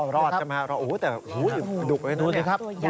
อ๋อรอดจะมาโอ้โฮแต่โอ้โฮดูดูดูครับ